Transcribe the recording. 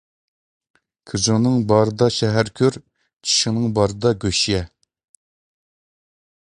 كۆزۈڭنىڭ بارىدا شەھەر كۆر، چىشىڭنىڭ بارىدا گۆش يە.